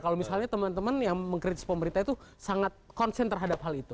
kalau misalnya teman teman yang mengkritis pemerintah itu sangat konsen terhadap hal itu